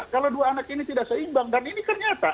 kalau dua anak ini tidak seimbang dan ini kan nyata